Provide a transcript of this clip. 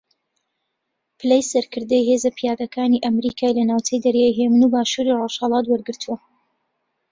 پلەی سەرکردەی ھێزە پیادەکانی ئەمریکای لە ناوچەی دەریای ھێمن و باشووری ڕۆژھەڵات وەرگرتووە